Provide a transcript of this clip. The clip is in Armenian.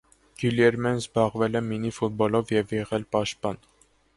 Գիլյերմեն զբաղվել է մինի ֆուտբոլով և եղել է պաշտպան։